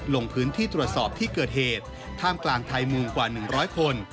ลงพื้นที่ตรวจสอบที่เกิดเหตุท่ามกลางไทยมูกว่า๑๐๐คน